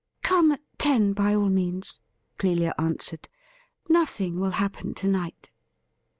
' Come at ten by all means,' Clelia answered. ' Nothing will happen to night.'